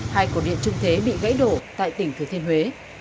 hai cổ điện trung thế bị gãy đổ tại tỉnh thừa thiên huế